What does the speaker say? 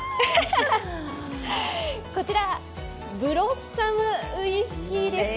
こちら、ブロッサムウイスキーです。